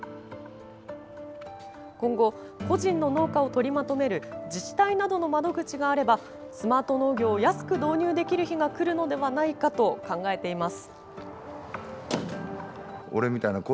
今後、個人の農家をとりまとめる自治体などの窓口があればスマート農業を安く導入できる日がくるのではないかと考えています。